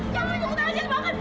jangan nyunggu tangan siat banget